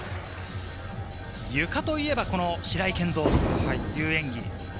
ゆかといえば白井健三という演技。